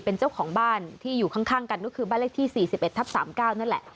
เป็นเจ้าของบ้านที่อยู่ข้างกันก็คือบ้านเลขที่๔๑ทับ๓๙นั่นแหละ